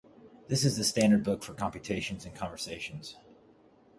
This is the standard book for computations and conversions.